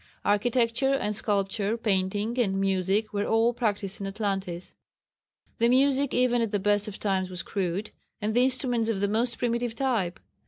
Architecture and sculpture, painting and music were all practised in Atlantis. The music even at the best of times was crude, and the instruments of the most primitive type.